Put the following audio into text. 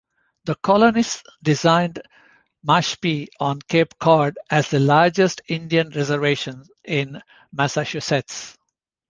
The colonists designated Mashpee on Cape Cod as the largest Indian reservation in Massachusetts.